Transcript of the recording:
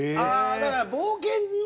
だから冒険の。